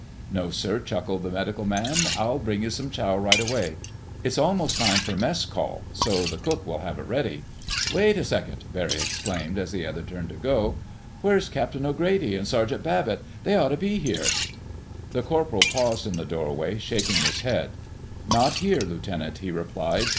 "No, sir," chuckled the medical man. "I'll bring you some chow right away. It's almost time for mess call so the cook will have it ready." "Wait a second!" Barry exclaimed, as the other turned to go. "Where's Captain O'Grady, and Sergeant Babbitt? They ought to be here—" The corporal paused in the doorway, shaking his head. "Not here, Lieutenant," he replied.